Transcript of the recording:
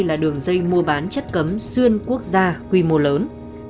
là đường dây mua bán chất cấm xuyên quốc gia quy mô lớn